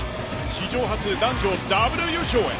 史上初、男女ダブル優勝へ。